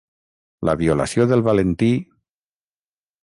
La violació del Valentí...